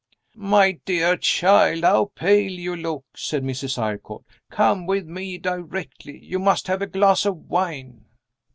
"My dear child, how pale you look!" said Mrs. Eyrecourt. "Come with me directly you must have a glass of wine."